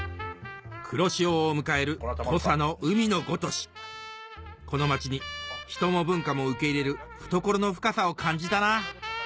黒潮を迎える土佐の海のごとしこの町に人も文化も受け入れる懐の深さを感じたな